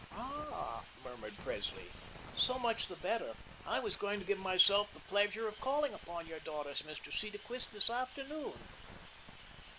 "Ah," murmured Presley, "so much the better. I was going to give myself the pleasure of calling upon your daughters, Mr. Cedarquist, this afternoon."